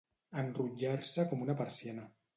Enrotllar-se com una persiana.